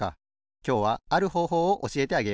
きょうはあるほうほうをおしえてあげよう。